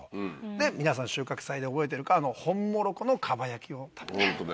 で皆さん収穫祭で覚えてるかホンモロコのかば焼きを食べた。